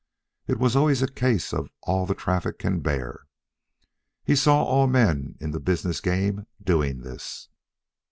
It was always a case of "all the traffic can bear." He saw all men in the business game doing this.